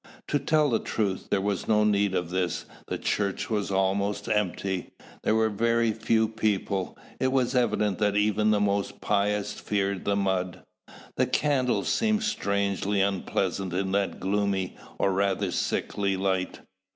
To tell the truth, there was no need of this: the church was almost empty; there were very few people; it was evident that even the most pious feared the mud. The candles seemed strangely unpleasant in that gloomy, or rather sickly, light.